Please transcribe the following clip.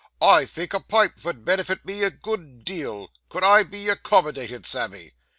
'I think a pipe vould benefit me a good deal. Could I be accommodated, Sammy?